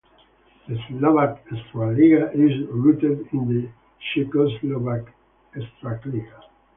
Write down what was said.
The Slovak Extraliga is rooted in the Czechoslovak Extraliga.